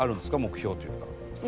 目標というか。